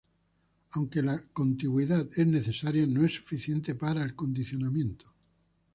Aunque la contigüidad es necesaria, no es suficiente para el condicionamiento.